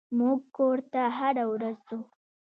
موږ کور ته هره ورځ ځو.